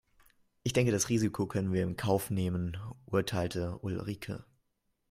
Ich denke das Risiko können wir in Kauf nehmen, urteilte Ulrike.